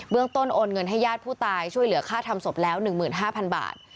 ต้นโอนเงินให้ญาติผู้ตายช่วยเหลือค่าทำศพแล้ว๑๕๐๐๐บาท